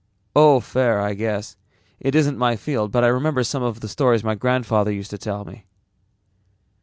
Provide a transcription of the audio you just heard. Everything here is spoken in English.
"Oh, fair, I guess. It isn't my field but I remember some of the stories my grandfather used to tell me."